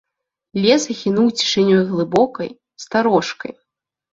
Лес ахінуў цішынёй глыбокай, старожкай.